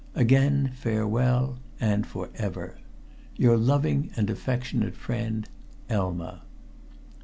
Again farewell, and for ever. "Your loving and affectionate friend, "Elma."